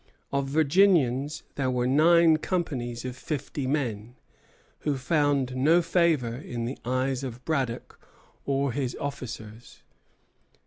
Of Virginians there were nine companies of fifty men, who found no favor in the eyes of Braddock or his officers.